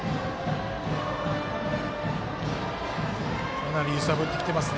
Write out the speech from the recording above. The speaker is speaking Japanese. かなり揺さぶってきてます。